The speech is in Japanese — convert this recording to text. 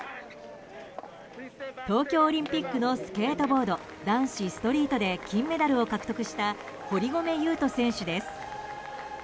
東京オリンピックのスケートボード男子ストリートで金メダルを獲得した堀米雄斗選手です。